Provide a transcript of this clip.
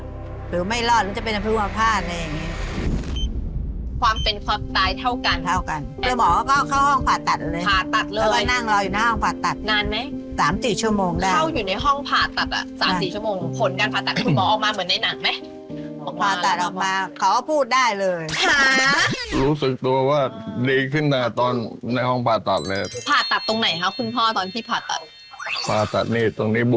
นานไหมครับนานนานนานนานนานนานนานนานนานนานนานนานนานนานนานนานนานนานนานนานนานนานนานนานนานนานนานนานนานนานนานนานนานนานนานนานนานนานนานนานนานนาน